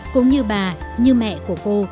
cũng như bà như mẹ của cô